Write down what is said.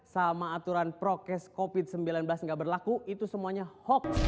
sama aturan prokes covid sembilan belas nggak berlaku itu semuanya hoax